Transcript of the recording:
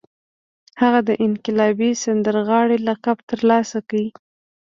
هغه د انقلابي سندرغاړي لقب ترلاسه کړ